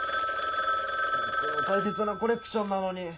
僕の大切なコレクションなのに。